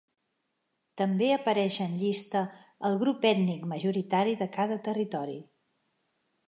També apareix en llista el grup ètnic majoritari de cada territori.